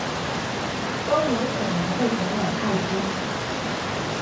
都有可能會感染愛滋